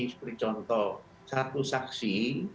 seperti contoh satu saksi